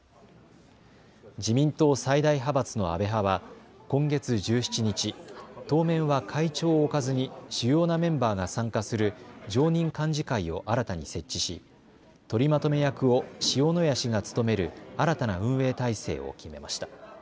自民党最大派閥の安倍派は今月１７日、当面は会長を置かずに主要なメンバーが参加する常任幹事会を新たに設置し取りまとめ役を塩谷氏が務める新たな運営体制を決めました。